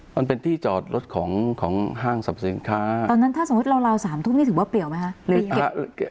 มันเป็นที่จอดรถของของห้างสรรพสินค้าตอนนั้นถ้าสมมุติราว๓ทุ่มนี่ถือว่าเปลี่ยวไหมคะ